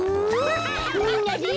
みんなで。